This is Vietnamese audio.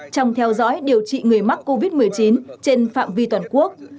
trong theo dõi điều trị người mắc covid một mươi chín trên phạm vi toàn quốc